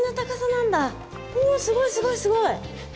おすごいすごいすごい。